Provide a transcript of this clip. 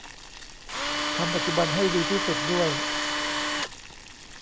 ทำปัจจุบันให้ดีที่สุดด้วย